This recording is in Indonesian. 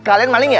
kalian maling ya